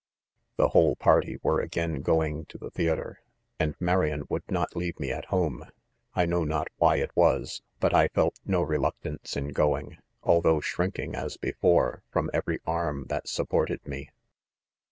■ e The' whole, party were again going to tie theatre, and Marian would not leave me .at home. I"krioW;/iiOt wily it was, but I felt no reluctance in going, although shrinking as be fore, from every arm that supported me.